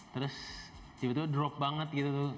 terus tiba tiba drop banget gitu